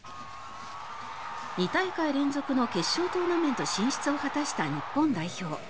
２大会連続の決勝トーナメント進出を果たした日本代表。